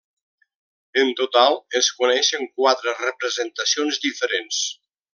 En total es coneixen quatre representacions diferents.